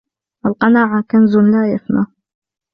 القناعة كنزٌ لا يفنى.